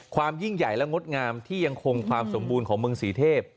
ยิ่งใหญ่และงดงามที่ยังคงความสมบูรณ์ของเมืองศรีเทพ